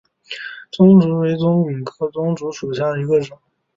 棕竹为棕榈科棕竹属下的一个种。